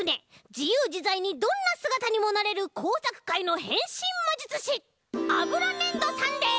じゆうじざいにどんなすがたにもなれるこうさくかいのへんしんまじゅつしあぶらねんどさんです！